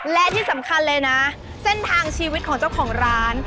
และที่สำคัญเลยนะเส้นทางชีวิตของเจ้าของร้าน